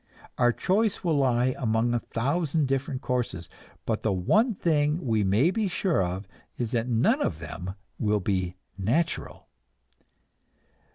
Our choice will lie among a thousand different courses, but the one thing we may be sure of is that none of them will be "natural."